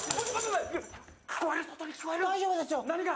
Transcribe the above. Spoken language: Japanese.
大丈夫ですよ何が？